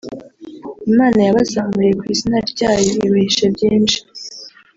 Imana yabazamuriye ku izina ryayo ibahishiye byinshi